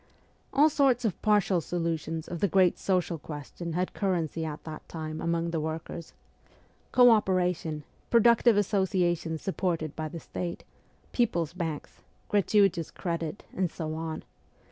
All sorts of partial solutions of the great social question had currency at that time among the workers co operation, productive associations supported by the State, people's banks, gratuitous credit, and so on.